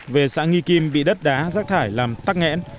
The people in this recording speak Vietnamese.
về xã nghi kim bị đất đá rác thải làm tắc nghẽn